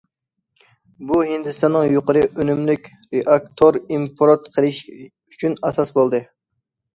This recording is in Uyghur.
بۇ ھىندىستاننىڭ يۇقىرى ئۈنۈملۈك رېئاكتور ئىمپورت قىلىشى ئۈچۈن ئاساس بولدى.